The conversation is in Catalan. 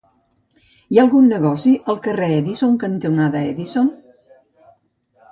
Hi ha algun negoci al carrer Edison cantonada Edison?